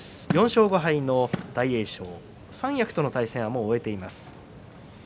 ４勝５敗の大栄翔三役との対戦は終えています。